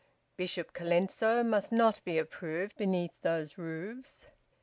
Bishop Colenso must not be approved beneath those roofs.